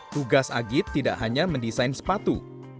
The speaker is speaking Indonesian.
tugas agit tidak hanya mendesain sepatu